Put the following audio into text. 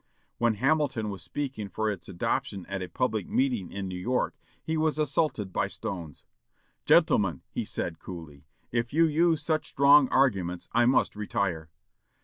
When Hamilton was speaking for its adoption at a public meeting in New York, he was assaulted by stones. "Gentlemen," he said, coolly, "if you use such strong arguments, I must retire."